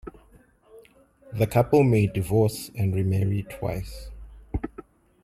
The couple may divorce and remarry twice.